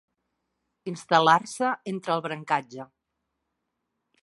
Instal·lar-se entre el brancatge.